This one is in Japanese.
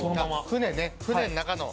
船の中の。